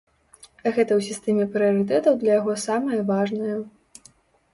Гэта ў сістэме прыярытэтаў для яго самае важнае.